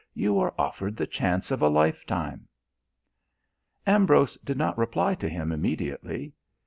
You are offered the chance of a lifetime." Ambrose did not reply to him immediately.